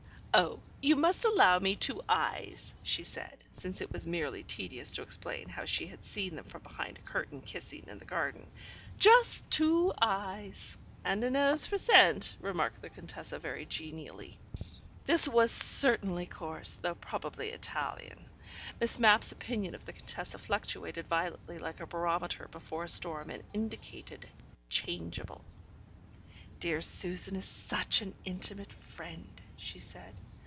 "Oh, you must allow me two eyes," she said, since it was merely tedious to explain how she had seen them from behind a curtain kissing in the garden. "Just two eyes." "And a nose for scent," remarked the Contessa very genially. This was certainly coarse, though probably Italian. Miss Mapp's opinion of the Contessa fluctuated violently like a barometer before a storm and indicated "Changeable". "Dear Susan is such an intimate friend," she said.